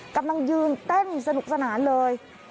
กำลังยืนเต้นสนุกสนานเลย